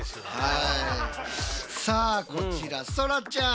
さあこちらそらちゃん。